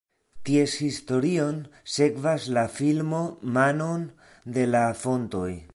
Ties historion sekvas la filmo Manon de la fontoj.